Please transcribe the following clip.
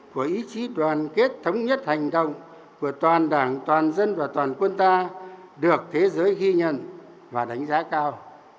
của ý chí đoàn kết thống nhất hành động của toàn đảng toàn dân và toàn quân ta được thế giới ghi nhận và đánh giá cao